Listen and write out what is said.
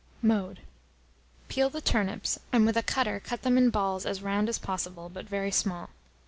Mode. Peel the turnips, and with a cutter cut them in balls as round as possible, but very small.